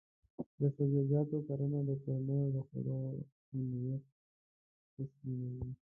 د سبزیجاتو کرنه د کورنیو د خوړو امنیت تضمینوي.